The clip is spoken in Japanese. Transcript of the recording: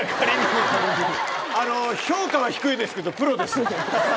評価は低いですけどプロです。